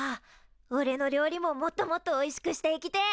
おれの料理ももっともっとおいしくしていきてえ！